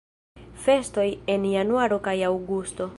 Festoj en januaro kaj aŭgusto.